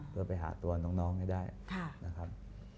เพื่อไปหาตัวน้องให้ได้นะครับ